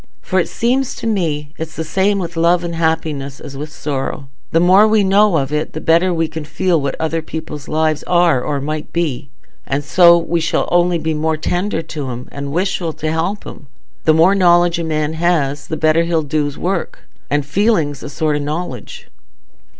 For it seems to me it's the same with love and happiness as with sorrow—the more we know of it the better we can feel what other people's lives are or might be, and so we shall only be more tender to 'em, and wishful to help 'em. The more knowledge a man has, the better he'll do's work; and feeling's a sort o' knowledge."